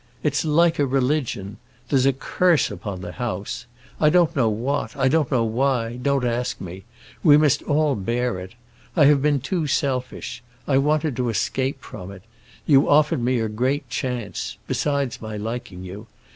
It's like a religion. There's a curse upon the house; I don't know what—I don't know why—don't ask me. We must all bear it. I have been too selfish; I wanted to escape from it. You offered me a great chance—besides my liking you.